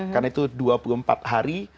karena itu dua puluh empat hari